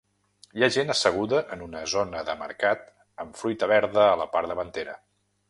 Hi ha gent asseguda en una zona de mercat amb fruita verda a la part davantera.